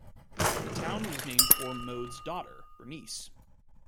The town was named for Mode's daughter, Bernice.